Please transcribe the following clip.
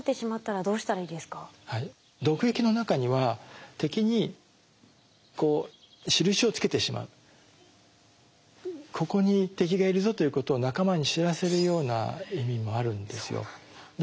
毒液の中には敵に印を付けてしまう「ここに敵がいるぞ」ということを仲間に知らせるような意味もあるんですよ。